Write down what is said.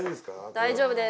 大丈夫です！